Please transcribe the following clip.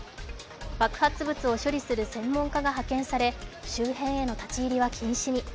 爆発物を処理する専門家が派遣され、周辺への立ち入りは禁止に。